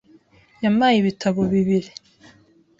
Yampaye ibitabo bibiri .